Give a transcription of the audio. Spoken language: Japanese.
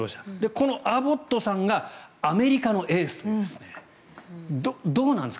このアボットさんがアメリカのエースという。